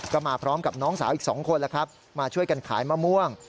ก็มาพร้อมกับน้องสาวอีก๒คนแล้วครับมาช่วยกันขายมะม่วง